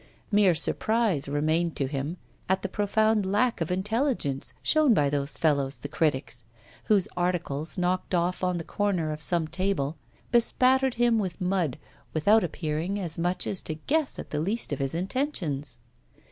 Mere surprise remained to him at the profound lack of intelligence shown by those fellows the critics, whose articles, knocked off on the corner of some table, bespattered him with mud, without appearing as much as to guess at the least of his intentions.